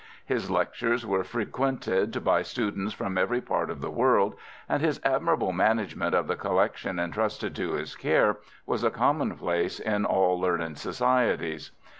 His lectures were frequented by students from every part of the world, and his admirable management of the collection intrusted to his care was a commonplace in all learned societies.